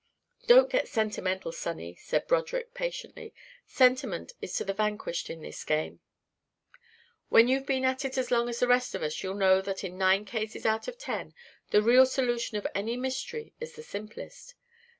"Don't get sentimental, sonny," said Broderick patiently. "Sentiment is to the vanquished in this game. When you've been it as long as the rest of us you'll know that in nine cases out of ten the real solution of any mystery is the simplest.